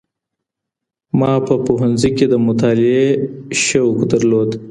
ما په پوهنځي کي د مطالعې سوق درلود.